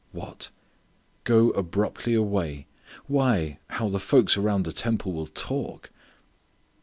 What! go abruptly away! Why! how the folks around the temple will talk!